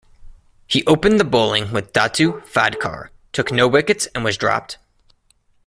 He opened the bowling with Dattu Phadkar, took no wickets and was dropped.